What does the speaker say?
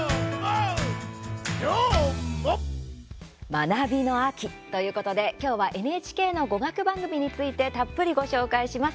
学びの秋ということで今日はＮＨＫの語学番組についてたっぷりご紹介します。